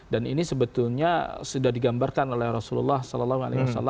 dan ini sebetulnya sudah digambarkan oleh rasulullah saw